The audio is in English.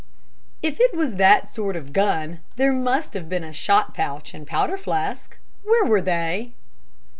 "If it was that sort of gun, there must have been a shot pouch and powder flask. Where were they?"